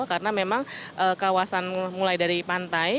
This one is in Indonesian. karena memang kawasan mulai dari pantai